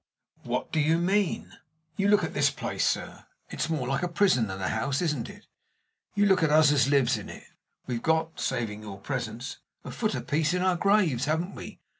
"What do you mean?" "You look at this place, sir it's more like a prison than a house, isn't it? You, look at us as lives in it. We've got (saving your presence) a foot apiece in our graves, haven't we?